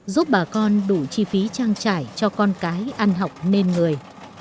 giúp bà con đủ chi phí trang trải cho con cái ăn học nên người